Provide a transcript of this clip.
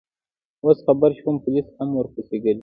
اوس خبر شوم، پولیس هم ورپسې ګرځي.